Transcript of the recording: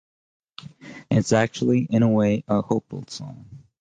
It's actually, in a way, a hopeful song.